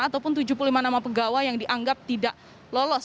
ataupun tujuh puluh lima nama pegawai yang dianggap tidak lolos